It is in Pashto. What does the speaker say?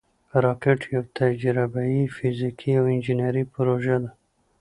راکټ یوه تجربهاي، فزیکي او انجینري پروژه ده